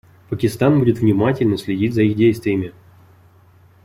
Пакистан будет внимательно следить за их действиями.